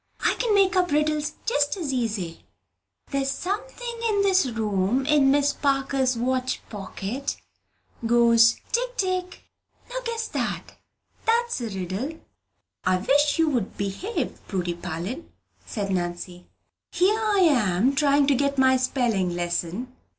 "I can make up riddles just as easy! There's something in this room, in Miss Parker's watch pocket, goes tick tick. Now guess that: that's a riddle." "I wish you'd behave, Prudy Parlin," said Nancy. "Here I am trying to get my spelling lesson."